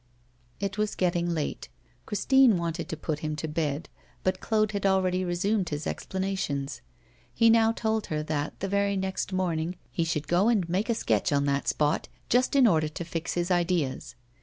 It was getting late; Christine wanted to put him to bed, but Claude had already resumed his explanations. He now told her that, the very next morning, he should go and make a sketch on the spot, just in order to fix his ideas.